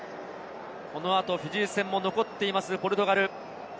このあとフィジー戦も残っていますポルトガル。